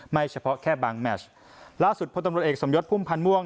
เฉพาะแค่บางแมชล่าสุดพลตำรวจเอกสมยศพุ่มพันธ์ม่วง